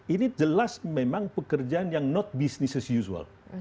ini jelas memang pekerjaan yang not business as usual